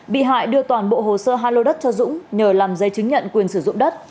bị hại đưa toàn bộ hồ sơ hai lô đất cho dũng nhờ làm giấy chứng nhận quyền sử dụng đất